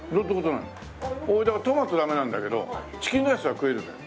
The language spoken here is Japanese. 俺トマトダメなんだけどチキンライスは食えるのよ。